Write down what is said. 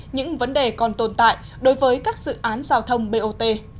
những vấn đề còn tồn tại đối với các dự án giao thông bot